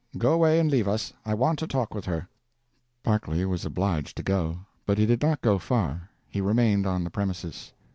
Go away and leave us. I want to talk with her." Berkeley was obliged to go. But he did not go far. He remained on the premises.